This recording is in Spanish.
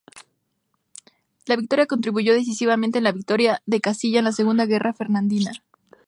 La victoria contribuyó decisivamente a la victoria de Castilla en la Segunda Guerra Fernandina.